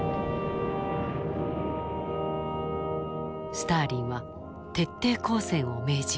スターリンは徹底抗戦を命じる。